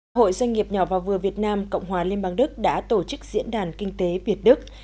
hội doanh nghiệp nhỏ và vừa việt nam cộng hòa liên bang đức đã tổ chức diễn đàn kinh tế việt đức